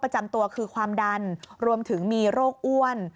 ประจำตัวคือความดันรวมถึงมีโรคอ้วน